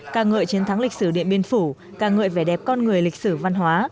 ca ngợi chiến thắng lịch sử điện biên phủ ca ngợi vẻ đẹp con người lịch sử văn hóa